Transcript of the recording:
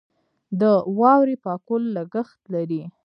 د واورې پاکول لګښت لري.